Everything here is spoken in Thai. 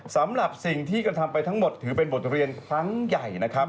สำหรับสิ่งที่กระทำไปทั้งหมดถือเป็นบทเรียนครั้งใหญ่นะครับ